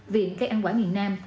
viện cây ăn quả miền nam